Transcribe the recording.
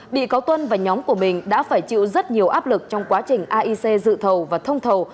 bị cáo tuân và nhóm của mình đã phải chịu rất nhiều áp lực trong quá trình aic dự thầu và thông thầu